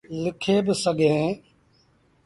لکي با سگھيٚن۔